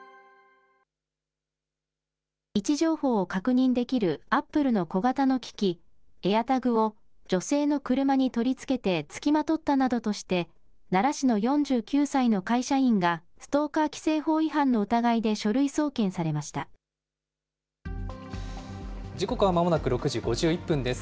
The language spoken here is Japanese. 位置情報を確認できるアップルの小型の機器、ＡｉｒＴａｇを女性の車に取り付けて付きまとったなどとして、奈良市の４９歳の会社員がストーカー規制法違反の疑いで書類送検時刻はまもなく６時５１分です。